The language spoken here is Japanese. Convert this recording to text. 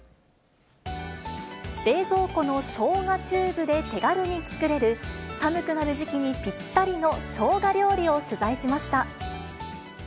冷蔵庫のしょうがチューブで手軽に作れる、寒くなる時期にぴったりのしょうが料理を取材しました。